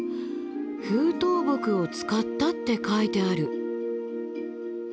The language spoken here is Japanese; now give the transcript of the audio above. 風倒木を使ったって書いてある。